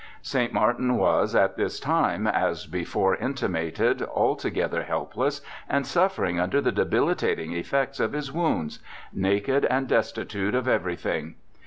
' St. Martin was, at this time, as before intimated, alto gether helpless and suffering under the debilitating effects of nis wounds — naked and destitute of ever}' thing.